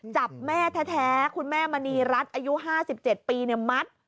จับแม่แท้คุณแม่มณีรัฐอายุ๕๗ปีมัด